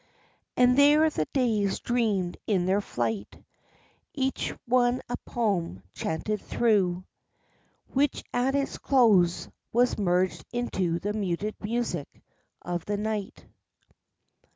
And there the days dreamed in their flight, each one a poem chanted through, Which at its close was merged into the muted music of the night.